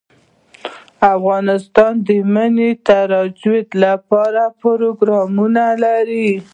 افغانستان د منی د ترویج لپاره پروګرامونه لري.